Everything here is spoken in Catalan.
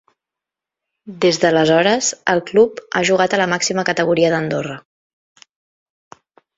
Des d'aleshores, el club ha jugat a la màxima categoria d'Andorra.